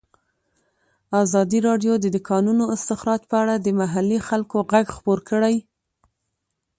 ازادي راډیو د د کانونو استخراج په اړه د محلي خلکو غږ خپور کړی.